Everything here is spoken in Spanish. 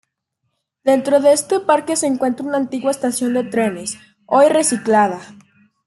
Dentro de este parque se encuentra una antigua estación de trenes, hoy reciclada.